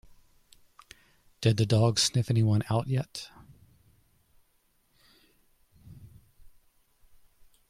Did the dog sniff anyone out yet?